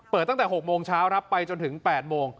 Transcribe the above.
ตั้งแต่๖โมงเช้าครับไปจนถึง๘โมง